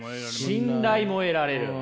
信頼も得られる。